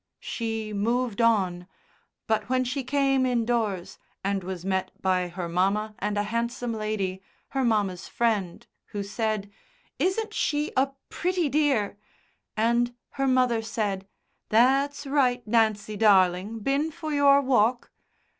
She moved on, but when she came indoors and was met by her mamma and a handsome lady, her mamma's friend, who said: "Isn't she a pretty dear?" and her mother said: "That's right, Nancy darling, been for your walk?"